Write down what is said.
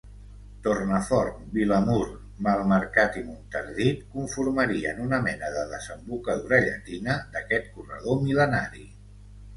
Tornafort, Vilamur, Malmercat i Montardit, conformarien una mena de desembocadura llatina d’aquest corredor mil·lenari.